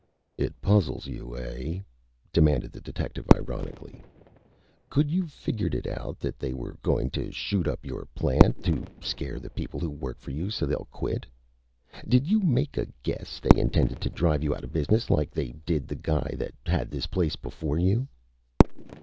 "It puzzles you, eh?" demanded the detective ironically. "Could you've figured it out that they were goin' to shoot up your plant to scare the people who work for you so they'll quit? Did you make a guess they intended to drive you outta business like they did the guy that had this place before you?"